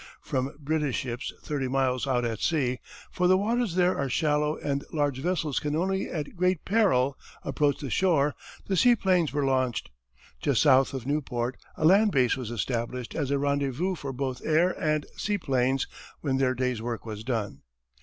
From British ships thirty miles out at sea, for the waters there are shallow and large vessels can only at great peril approach the shore, the seaplanes were launched. Just south of Nieuport a land base was established as a rendezvous for both air and seaplanes when their day's work was done.